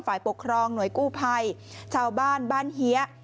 ฝ่ายปกครองหน่วยกู้ภัยชาวบ้านบ้านเฮีย